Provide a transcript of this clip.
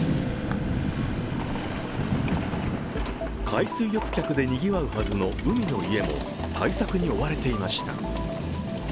海水浴客でにぎわうはずの海の家も、対策に追われていました